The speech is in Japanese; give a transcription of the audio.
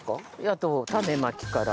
あと種まきから。